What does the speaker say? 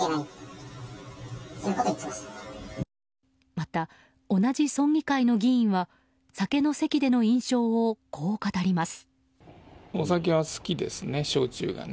また、同じ村議会の議員は酒の席での印象をこう語ります。